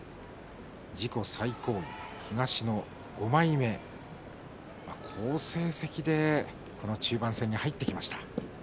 自己最高位、東の５枚目好成績でこの中盤戦に入ってきました。